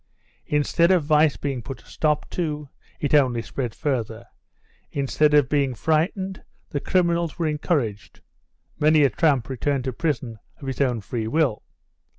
Instead of vice being put a stop to, it only spread further; instead of being frightened, the criminals were encouraged (many a tramp returned to prison of his own free will).